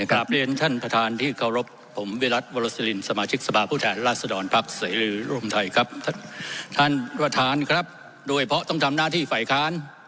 ขอบค่ะท่านวัฒนฐานครับโดยเพราะต้องทำหน้าที่ฝ่ายค้าน